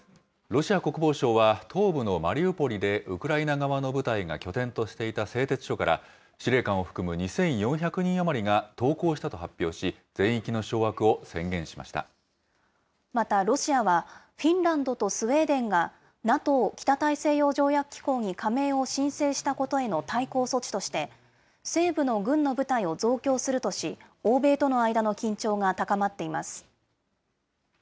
ロシア国防省は、東部のマリウポリでウクライナ側の部隊が拠点としていた製鉄所から、司令官を含む２４００人余りが投降したと発表し、全域の掌握を宣またロシアは、フィンランドとスウェーデンがＮＡＴＯ・北大西洋条約機構に加盟を申請したことへの対抗措置として、西部の軍の部隊を増強するとし、欧米との間の緊張が高まっています。